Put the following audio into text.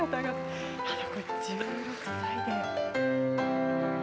１６歳で。